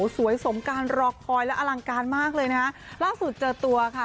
สวยสมการรอคอยและอลังการมากเลยนะฮะล่าสุดเจอตัวค่ะ